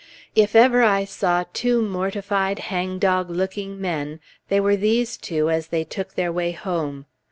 If ever I saw two mortified, hangdog looking men, they were these two as they took their way home.